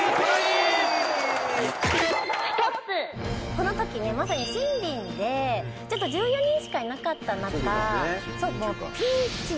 このときまさにシンビンで、１４人しかいなかった中。